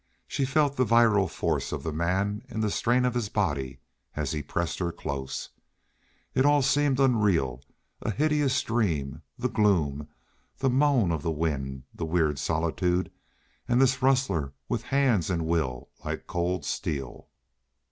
She felt the virile force of the man in the strain of his body as he pressed her close. It all seemed unreal a hideous dream the gloom, the moan of the wind, the weird solitude, and this rustler with hand and will like cold steel.